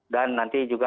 dan nanti juga